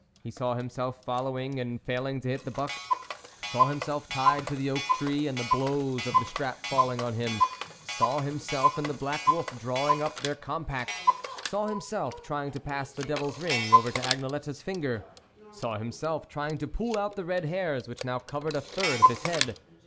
He saw himself following, and failing to hit the buck ; saw himself tied to the oak tree, and the blows of the strap falling on him; saw himself and the black wolf drawing up their compact; saw himself trying to pass the devil's ring over Agne lette's finger ; saw himself trying to pull out the red hairs, which now covered a third of his head.